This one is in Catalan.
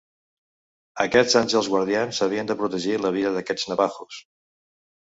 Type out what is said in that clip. Aquests àngels guardians havien de protegir la vida d'aquests navahos.